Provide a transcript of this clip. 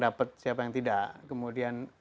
dapat siapa yang tidak kemudian